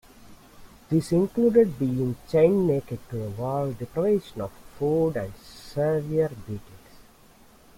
This included being chained naked to a wall, deprivation of food and severe beatings.